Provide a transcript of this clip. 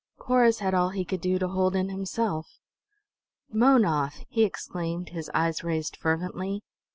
Corrus had all he could do to hold in himself. "Mownoth!" he exclaimed, his eyes raised fervently.